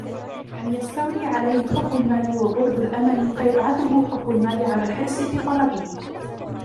أَنْ يَسْتَوْلِيَ عَلَيْهِ حُبُّ الْمَالِ وَبُعْدُ الْأَمَلِ فَيَبْعَثُهُ حُبُّ الْمَالِ عَلَى الْحِرْصِ فِي طَلَبِهِ